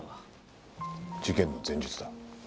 事件の前日だ。